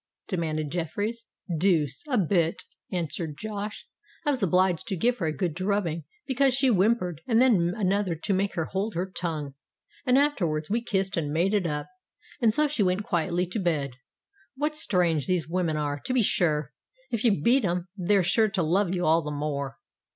demanded Jeffreys. "Deuce a bit," answered Josh. "I was obliged to give her a good drubbing because she whimpered, and then another to make her hold her tongue; and afterwards we kissed and made it up—and so she went quietly to bed. What strange things women are, to be sure! If you beat 'em, they're sure to love you all the more."